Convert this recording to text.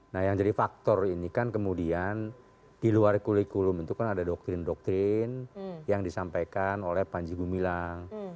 nah yang jadi faktor ini kan kemudian di luar kurikulum itu kan ada doktrin doktrin yang disampaikan oleh panji gumilang